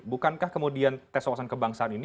bukankah kemudian tes wawasan kebangsaan ini